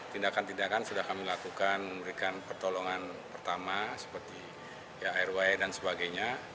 tindakan tindakan sudah kami lakukan memberikan pertolongan pertama seperti airway dan sebagainya